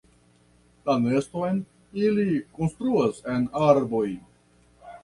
La neston ili konstruas en arboj.